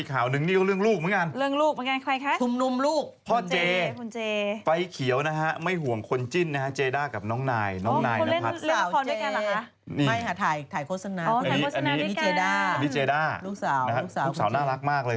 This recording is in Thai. เครื่องบินหรือไปเจอในที่มีคนอื่นอย่างนี้นะครับ